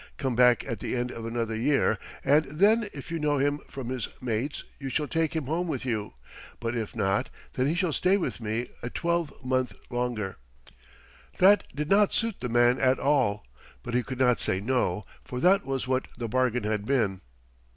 Come back at the end of another year, and then if you know him from his mates you shall take him home with you, but if not then he shall stay with me a twelvemonth longer." That did not suit the man at all, but he could not say no, for that was what the bargain had been.